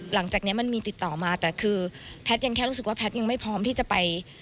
หลังจากนี้มันมีติดต่อมาแต่คือแพทย์ยังแค่รู้สึกว่าแพทย์ยังไม่พร้อมที่จะไป